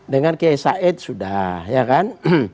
dengan kiai said sudah ya kan